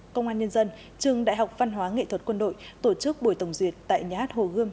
công an nhân dân trường đại học văn hóa nghệ thuật quân đội tổ chức buổi tổng duyệt tại nhà hát hồ gươm